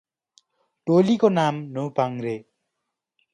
टोलीको नाम नौपाङ्ग्रे